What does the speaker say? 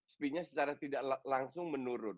spinya secara tidak langsung menurun